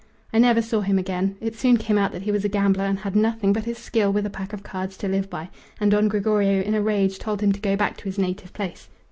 I never saw him again. It soon came out that he was a gambler and had nothing but his skill with a pack of cards to live by, and Don Gregorio in a rage told him to go back to his native place.